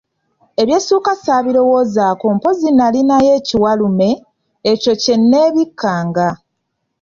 Eby'essuuka ssaabirowozaako mpozzi nalinayo ekiwalume, ekyo kye neebikkanga.